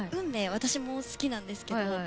私も好きなんですけど。